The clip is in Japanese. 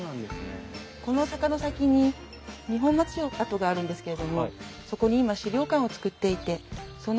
この坂の先に二本松城跡があるんですけれどもそこに今資料館を作っていてその準備担当をされているんです。